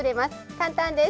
簡単です。